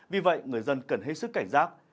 vì vậy người dân cần hết sức cảnh giác